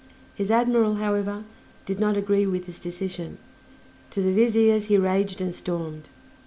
His admiral, however, did not agree with this decision; to the Viziers he raged and stormed.